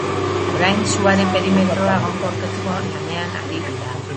Orain suaren perimetroa egonkortzeko lanean ari dira.